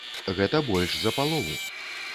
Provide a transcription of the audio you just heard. Гэта больш за палову!